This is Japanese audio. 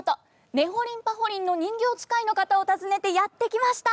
「ねほりんぱほりん」の人形遣いの方を訪ねてやって来ました。